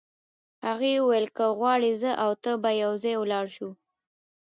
هغه وویل که غواړې زه او ته به یو ځای ولاړ شو.